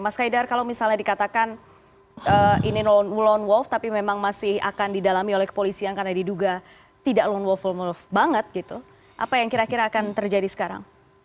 mas kaidar kalau misalnya dikatakan ini lone wolf tapi memang masih akan didalami oleh kepolisian karena diduga tidak lone wolful move banget gitu apa yang kira kira akan terjadi sekarang